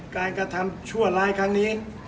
กระทำชั่วร้ายครั้งนี้